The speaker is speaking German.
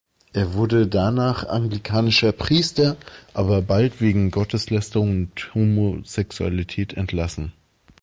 Er wurde danach anglikanischer Priester, aber bald wegen Gotteslästerung und Homosexualität entlassen.